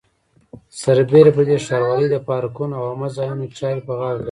سربېره پر دې ښاروالۍ د پارکونو او عامه ځایونو چارې په غاړه لري.